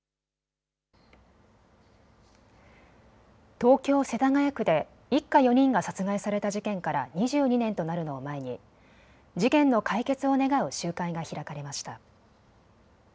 東京世田谷区で一家４人が殺害された事件から２２年となるのを前に事件の解決を願う集会が開かれました。